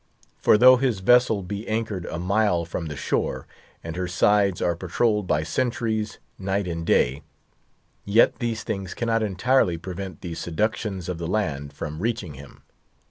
For though his vessel be anchored a mile from the shore, and her sides are patrolled by sentries night and day, yet these things cannot entirely prevent the seductions of the land from reaching him.